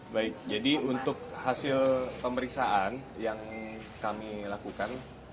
baik jadi untuk hasil pemeriksaan yang kami lakukan